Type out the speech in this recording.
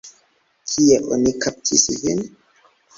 Kie oni kaptis vin?